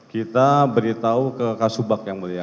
kita beritahu ke kasubag yang mulia